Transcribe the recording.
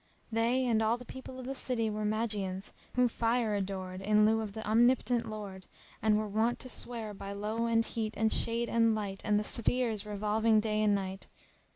They and all the people of the city were Magians who fire adored in lieu of the Omnipotent Lord[FN#319] and were wont to swear by lowe and heat and shade and light and the spheres revolving day and night.